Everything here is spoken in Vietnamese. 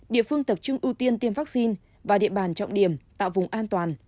địa phương tập trung ưu tiên tiêm vaccine và địa bàn trọng điểm tạo vùng an toàn